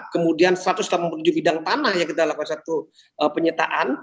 kemudian satu ratus delapan puluh tujuh bidang tanah yang kita lakukan satu penyitaan